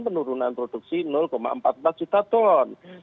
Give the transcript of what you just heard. penurunan produksi empat puluh empat juta ton